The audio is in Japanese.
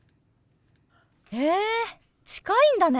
へえ近いんだね。